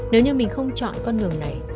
nếu như mình không chọn con đường này